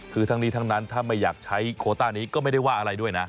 คือทั้งนี้ทั้งนั้นถ้าไม่อยากใช้โคต้านี้ก็ไม่ได้ว่าอะไรด้วยนะ